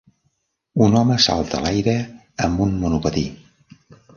Un home salta a l'aire amb un monopatí.